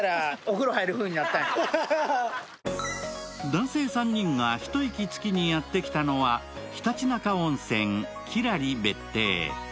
男性３人が一息つきにやってきたのはひたちなか温泉・喜楽里別邸。